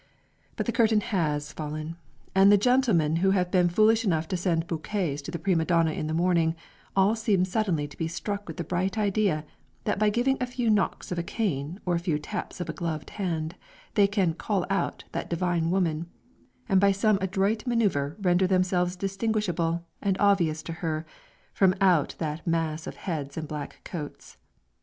But the curtain has fallen, and the gentlemen who have been foolish enough to send bouquets to the prima donna in the morning, all seem suddenly to be struck with the bright idea, that by giving a few knocks of a cane, or a few taps of a gloved hand, they can "call out" that divine woman, and by some adroit manoeuvre render themselves distinguishable, and obvious to her from out that mass of heads and black coats.